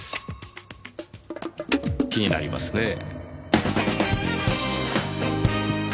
気になりますねぇ。